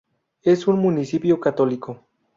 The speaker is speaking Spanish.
Es un municipio católico.